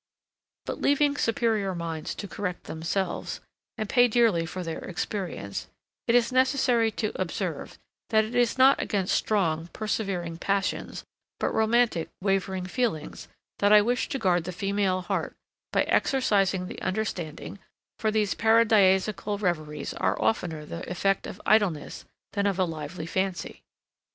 But, leaving superior minds to correct themselves, and pay dearly for their experience, it is necessary to observe, that it is not against strong, persevering passions; but romantic, wavering feelings, that I wish to guard the female heart by exercising the understanding; for these paradisiacal reveries are oftener the effect of idleness than of a lively fancy.